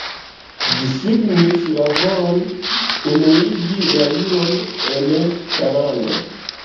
Ĝi signis la volon unuigi la juron en la lando.